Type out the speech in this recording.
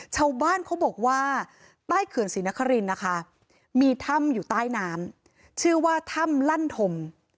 ชาวบ้านเขาบอกว่าใต้เขื่อนศรีนครินนะคะมีถ้ำอยู่ใต้น้ำชื่อว่าถ้ำลั่นธม